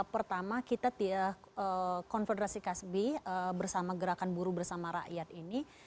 pertama kita konfederasi kasbi bersama gerakan buruh bersama rakyat ini